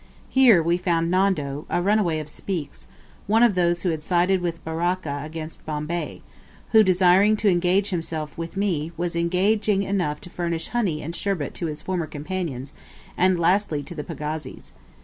Here we found Nondo, a runaway of Speke's, one of those who had sided with Baraka against Bombay, who, desiring to engage himself with me, was engaging enough to furnish honey and sherbet to his former companions, and lastly to the pagazis.